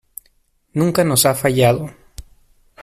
Nunca nos ha fallado.